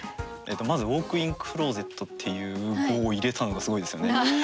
まず「ウォークインクローゼット」っていう語を入れたのがすごいですよね。